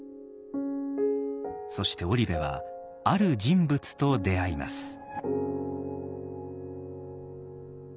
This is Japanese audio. そして織部はある人物と出会います。